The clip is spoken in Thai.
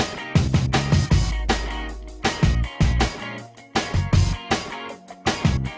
ครับผม